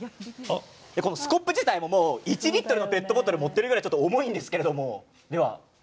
このスコップ自体も１リットルのペットボトルを持っているぐらい重いんですけど。